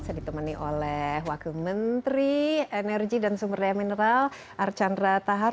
saya ditemani oleh wakil menteri energi dan sumber daya mineral archandra tahar